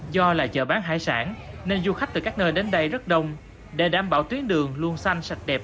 do là chợ bán hải sản nên du khách từ các nơi đến đây rất đông để đảm bảo tuyến đường luôn xanh sạch đẹp